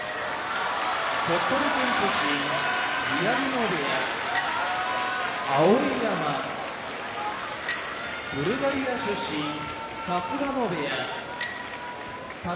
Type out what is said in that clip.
鳥取県出身宮城野部屋碧山ブルガリア出身春日野部屋宝